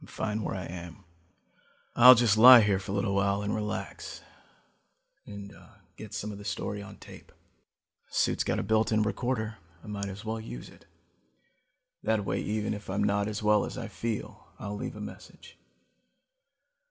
I'm fine where I am. I'll just lie here for a while and relax, and get some of the story on tape. This suit's got a built in recorder, I might as well use it. That way even if I'm not as well as I feel, I'll leave a message.